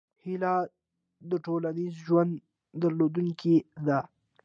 هیلۍ د ټولنیز ژوند درلودونکې ده